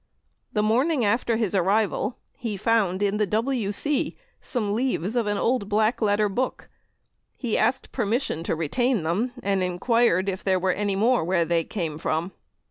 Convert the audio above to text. The morning after his arrival, he found in the w.c. some leaves of an old black letter book. He asked permission to retain them, and enquired if there were any more where they came from.